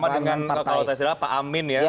bersama dengan kalau saya silahkan pak amin ya